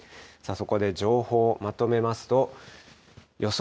そこで情報をまとめますと、予想